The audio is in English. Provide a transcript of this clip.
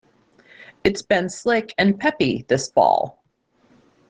It's been slick and peppy this fall.